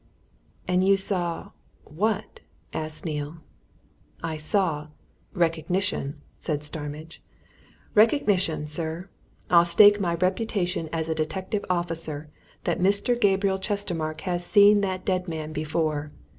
"And you saw what?" asked Neale. "I saw Recognition!" said Starmidge. "Recognition, sir! I'll stake my reputation as a detective officer that Mr. Gabriel Chestermarke has seen that dead man before.